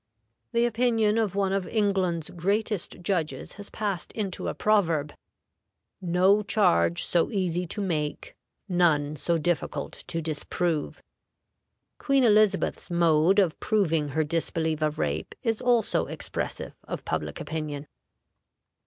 The opinion of one of England's greatest judges has passed into a proverb: "No charge so easy to make, none so difficult to disprove." Queen Elizabeth's mode of proving her disbelief of rape is also expressive of public opinion.